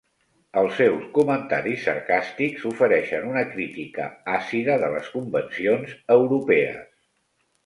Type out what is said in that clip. Els seus comentaris sarcàstics ofereixen una crítica àcida de les convencions europees.